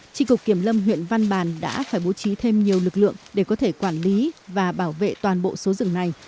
trị cục kiểm lâm huyện văn bàn đã phải bố trí thêm nhiều lực lượng để có thể quản lý và bảo vệ toàn bộ số rừng này